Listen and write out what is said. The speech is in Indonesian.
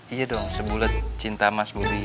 iya dong sebulet cinta mas bobi